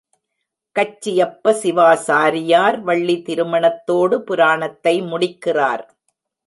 கச்சியப்ப சிவாசாரியார் வள்ளி திருமணத்தோடு புராணத்தை முடிக்கிறார்.